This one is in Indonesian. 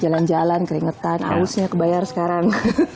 jalan jalan keringetan ausnya kebayar sekarang